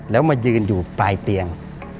แล้วมายืนอยู่ปลายเตียง